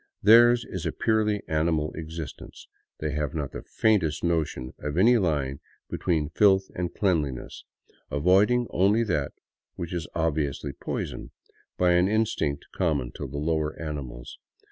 Theirs is a purely animal existence. They have not the faintest notion of any line be tween filth and cleanliness, avoiding only that which is obviously poison, by an instinct common to the lower animals.